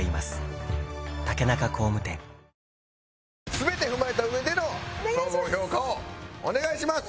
全て踏まえた上での総合評価をお願いします。